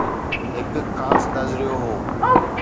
هڪ خاص نظريو هو.